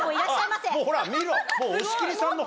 もうほら見ろ。